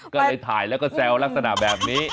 ก็เลยถ่ายแล้วก็แซวลักษณะแบบนี้